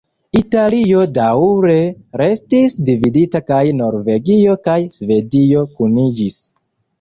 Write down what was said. Italio daŭre restis dividita kaj Norvegio kaj Svedio kuniĝis.